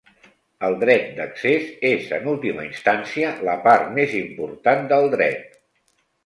El dret d'accés és, en última instància, la part més important del dret.